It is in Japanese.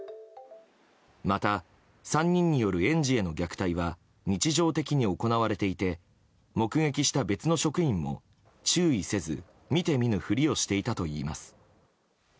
また３人による園児への虐待は日常的に行われていて目撃した別の職員も注意せず見て見ぬふりをしていたといいます。